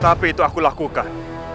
tapi itu aku lakukan